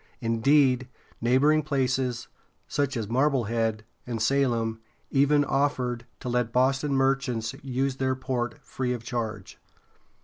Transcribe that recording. Indeed, neighboring places, such as Mar ble head´ and Salem, even offered to let Boston merchants use their port free of charge.